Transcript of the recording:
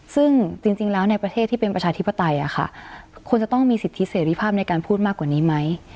ซึ่งจริงแล้วในประเทศที่เป็นประชาธิปไตยควรจะต้องมีสิทธิเสรีภาพในการพูดมากกว่านี้ไหม